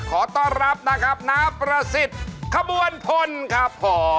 ขอต้อนรับนะครับน้าประสิทธิ์ขบวนพลครับผม